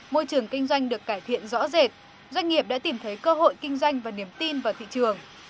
môi trường kinh doanh được cải thiện rõ rệt doanh nghiệp đã tìm thấy cơ hội kinh doanh và niềm tin vào thị trường